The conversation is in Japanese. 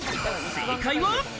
正解は。